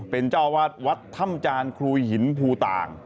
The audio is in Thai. เป็นเจ้าวัดวัดธรรมจานครูหินต่าง